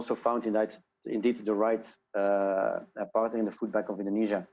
dan kami juga menemukan yang tepat partner yang tepat di bank makanan indonesia